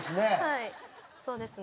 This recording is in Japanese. はいそうですね。